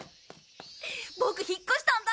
ボク引っ越したんだ！